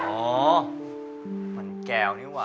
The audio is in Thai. โอ้ยมันแกวเนี่ยวะ